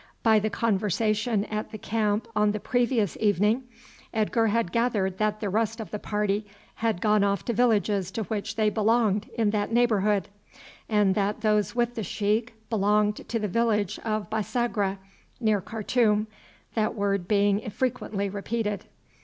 By the conversation at the camp on the previous evening Edgar had gathered that the rest of the party had gone off to villages to which they belonged in that neighbourhood, and that those with the sheik belonged to the village of Bisagra, near Khartoum, that word being frequently repeated.